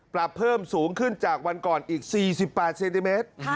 ปรับเพิ่มสูงขึ้นจากวันก่อนอีก๔๘เซนติเมตร